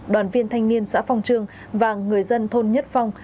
đoàn viên thanh niên xã phong trương và người dân thôn nhất phong